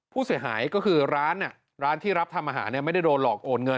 ผู้เสียหายก็คือร้านร้านที่รับทำอาหารไม่ได้โดนหลอกโอนเงิน